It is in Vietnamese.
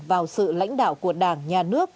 vào sự lãnh đạo của đảng nhà nước